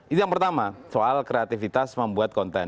itu yang pertama soal kreativitas membuat konten